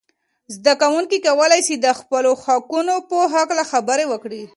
زده کوونکي کولای سي د خپلو حقونو په هکله خبرې وکړي.